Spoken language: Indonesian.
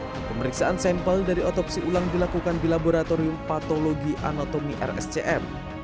pemeriksaan sampel dari otopsi ulang dilakukan di laboratorium patologi anatomi rscm